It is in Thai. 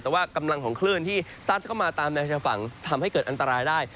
แต่ว่ากำลังของคลื่นที่ซัดเข้ามาตามแนวชายฝั่งทำให้เกิดอันตรายได้